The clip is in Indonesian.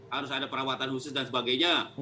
harus ada perawatan khusus dan sebagainya